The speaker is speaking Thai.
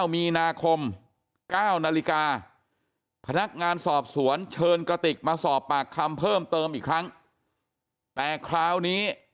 มีนาคม๙นาฬิกาพนักงานสอบสวนเชิญกระติกมาสอบปากคำเพิ่มเติมอีกครั้งแต่คราวนี้